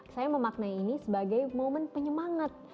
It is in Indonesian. saya memaknai ini sebagai momen penyemangat